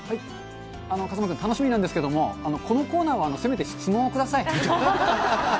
風間君、楽しみなんですけど、このコーナーはせめて質問をください。